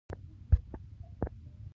سور رنګ د انرژۍ نښه ده.